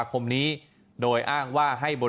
ขอบคุณครับ